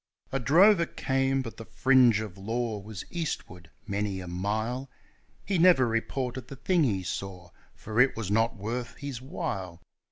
A drover came, but the fringe of law was eastward many a mile; He never reported the thing he saw, for it was not worth his while.